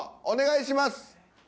お願いします。